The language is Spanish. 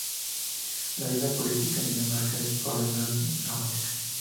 La vida política en Dinamarca es ordenada y democrática.